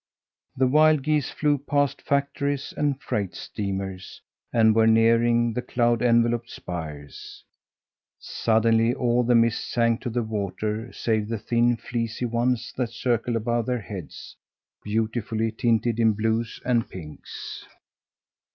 The wild geese flew past factories and freight steamers and were nearing the cloud enveloped spires. Suddenly all the mists sank to the water, save the thin, fleecy ones that circled above their heads, beautifully tinted in blues and pinks.